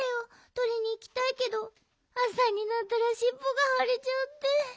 とりにいきたいけどあさになったらしっぽがはれちゃって。